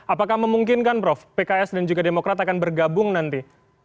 apakah memungkinkan prof pks dan juga demokrat akan bergabung nanti